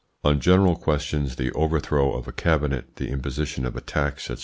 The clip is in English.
On general questions the overthrow of a Cabinet, the imposition of a tax, &c.